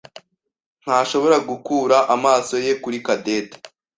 ntashobora gukura amaso ye kuri Cadette.